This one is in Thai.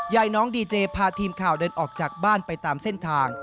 ยายน้องดีเจพาทีมข่าวเดินออกจากบ้านไปตามเส้นทาง